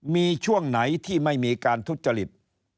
มีช่วงไหนที่ไม่มีการทุจริต